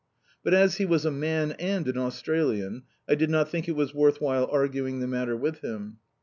But as he was a man and an Australian, I did not think it was worth while arguing the matter with him.